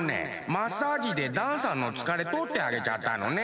マッサージでダンさんのつかれとってあげちゃったのね。